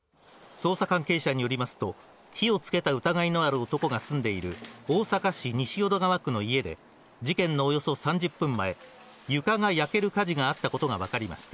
捜査関係者によりますと、火をつけた疑いのある男が住んでいる大阪市西淀川区の家で、事件のおよそ３０分前、床が焼ける火事があったことが分かりました。